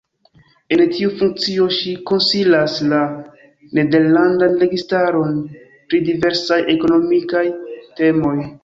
En tiu funkcio ŝi konsilas la nederlandan registaron pri diversaj ekonomikaj temoj.